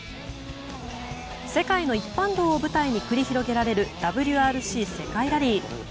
世界の一般道を舞台に繰り広げられるＷＲＣ世界ラリー。